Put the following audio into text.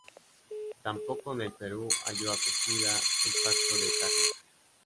Tampoco en el Perú halló acogida el Pacto de Tacna.